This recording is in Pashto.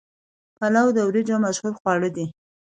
پلاو د وریجو مشهور خواړه دي.